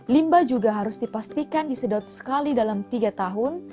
limba juga harus dipastikan disedot sekali dalam tiga tahun